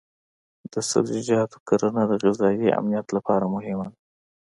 د سبزیجاتو کرنه د غذایي امنیت لپاره مهمه ده.